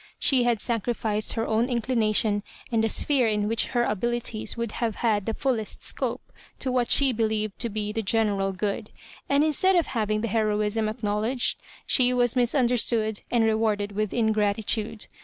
She had sacrificed her own inclina tion, and a sphere in which her abilities would have had the fullest scope, to what she believed to be the general good ; and instead of having the heroism acknowledged, she was misunder stood and rewarded with ingratitude.